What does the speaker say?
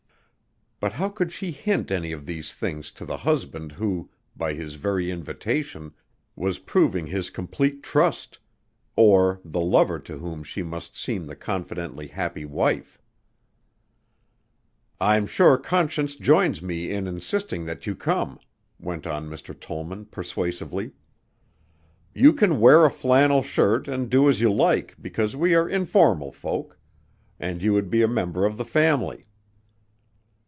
But how could she hint any of these things to the husband who, by his very invitation, was proving his complete trust, or the lover to whom she must seem the confidently happy wife? "I'm sure Conscience joins me in insisting that you come," went on Mr. Tollman persuasively. "You can wear a flannel shirt and do as you like because we are informal folk and you would be a member of the family."